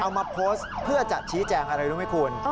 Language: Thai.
เอามาโพสต์เพื่อจะชี้แจงอะไรรู้ไหมคุณ